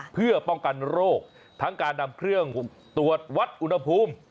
เพื่อป้องกันโรคทั้งการนำเครื่องตรวจวัดอุณหภูมิ